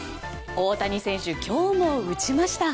大谷選手、今日も打ちました。